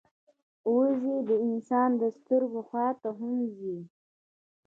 وزې د انسان د سترګو خوا ته هم ځي